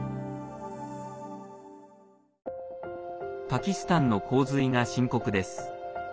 パキスタンの洪水が深刻です。